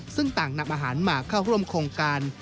ซึ่งต่างนำอาหารมาเข้าร่วมโครงการ